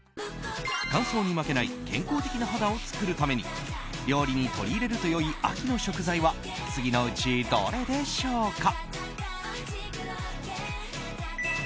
乾燥に負けない健康的な肌を作るために料理に取り入れると良い秋の食材は次のうちどれでしょうか？